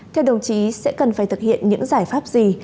theo đồng chí sẽ cần phải thực hiện những giải pháp gì